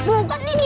bukan nih dia